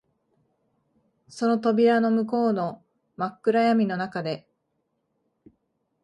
その扉の向こうの真っ暗闇の中で、